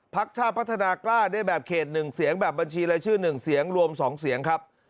ชาติพัฒนากล้าได้แบบเขต๑เสียงแบบบัญชีรายชื่อ๑เสียงรวม๒เสียงครับ